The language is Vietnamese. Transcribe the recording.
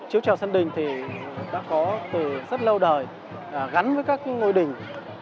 chiếu trẻo sân đình đã có từ rất lâu đời gắn với các ngôi đình